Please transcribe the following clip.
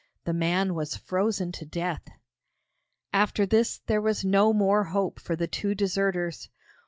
The man was frozen to death! After this there was no more hope for the two deserters.